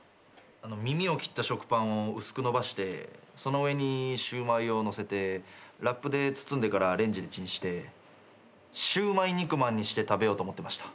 耳を切った食パンを薄く延ばしてその上にシューマイをのせてラップで包んでからレンジでチンしてシューマイ肉まんにして食べようと思ってました。